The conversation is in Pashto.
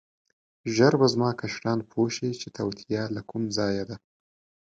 ژر به زما کشران پوه شي چې توطیه له کوم ځایه ده.